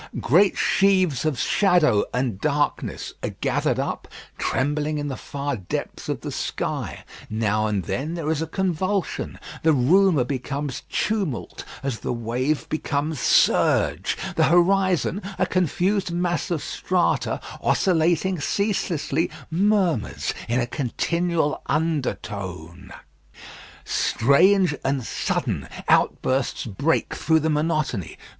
Great sheaves of shadow and darkness are gathered up, trembling in the far depths of the sky. Now and then there is a convulsion. The rumour becomes tumult as the wave becomes surge. The horizon, a confused mass of strata, oscillating ceaselessly, murmurs in a continual undertone. Strange and sudden outbursts break through the monotony.